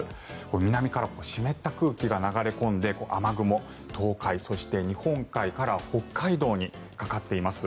南から湿った空気が流れ込んで雨雲東海、そして日本海から北海道にかかっています。